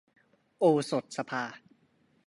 โอสถสภา